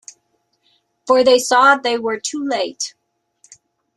For they saw they were too late.